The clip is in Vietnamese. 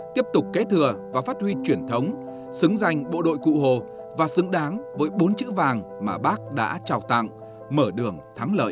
tiếp tục kế thừa và phát huy truyền thống xứng danh bộ đội cụ hồ và xứng đáng với bốn chữ vàng mà bác đã trào tặng mở đường thắng lợi